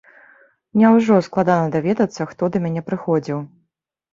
Няўжо складана даведацца, хто да мяне прыходзіў?!